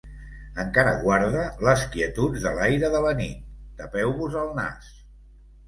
Encara guarda les quietuds de l’aire de la nit. Tapeu-vos el nas!